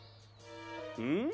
うん？